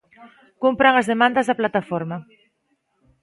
Cumpran as demandas da plataforma.